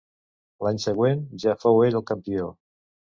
L'any següent, ja fou ell el campió.